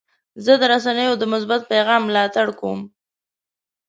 زه د رسنیو د مثبت پیغام ملاتړ کوم.